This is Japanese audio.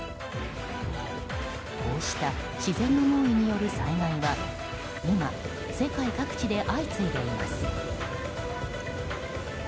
こうした自然の猛威による災害は今、世界各地で相次いでいます。